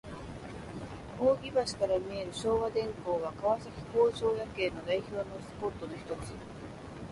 扇橋から見る昭和電工は、川崎工場夜景を代表するスポットのひとつ。